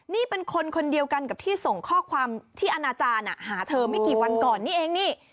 นี่เป็นคนคนเดียวกันกับที่ส่งข้อความที่อนาจารย์หาเธอไม่กี่วันก่อนนี่เองนี่